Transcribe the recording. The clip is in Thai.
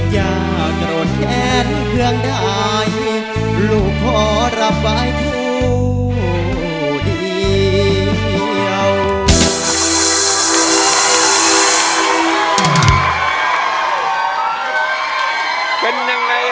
อย่าโกรธแค้นเครื่องได้ลูกขอระบายคู่เดียว